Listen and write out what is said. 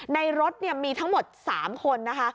ในรถมีทั้งหมด๓คนนะคะ